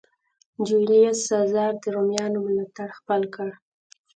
جیولیوس سزار د رومیانو ملاتړ خپل کړ.